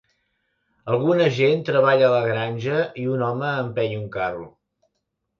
Alguna gent treballa a la granja i un home empeny un carro.